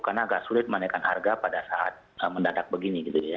karena agak sulit menaikkan harga pada saat mendadak begini gitu ya